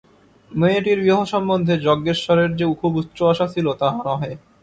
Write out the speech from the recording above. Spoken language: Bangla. মেয়েটির বিবাহ সম্বন্ধে যজ্ঞেশ্বরের যে খুব উচ্চ আশা ছিল তাহা নহে।